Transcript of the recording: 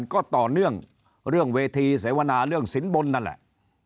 ก็ต่อเนื่องเรื่องเวทีเสวนาเรื่องสินบนนั่นแหละ